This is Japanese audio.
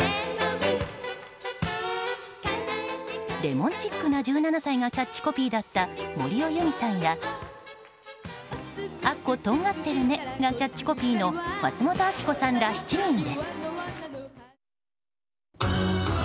「レモンチックな１７歳」がキャッチコピーだった森尾由美さんや「アッコ、とんがってるね」がキャッチコピーの松本明子さんら７人です。